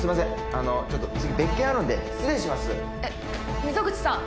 あのちょっと次別件あるんで失礼しますえっ溝口さん